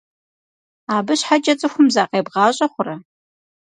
Абы щхьэкӏэ цӏыхум закъебгъащӏэ хъурэ?